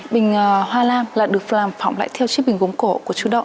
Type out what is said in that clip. bình hoa lam là được làm phỏng lại theo chiếc bình gốm cổ của chú đậu